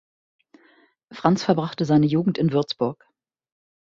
Franz verbrachte seine Jugend in Würzburg.